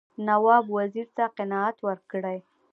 نواب وزیر ته قناعت ورکړي.